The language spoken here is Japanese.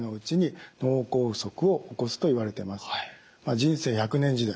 人生１００年時代